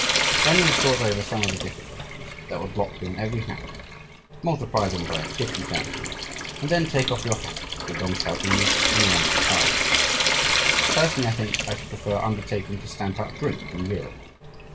When you have thought over some of the difficulties that would block you on every hand, multiply them by fifty thousand and then take off your hat to Tong Shao i and Yuan Shi K'ai. Personally, I think I should prefer undertaking to stamp out drink in Europe.